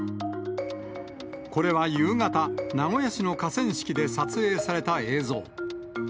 これは夕方、名古屋市の河川敷で撮影された映像。